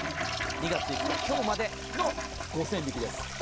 ２月５日今日までの５０００円引です。